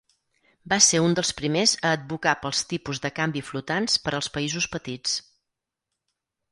Va ser un dels primers a advocar pels tipus de canvi flotants per als països petits.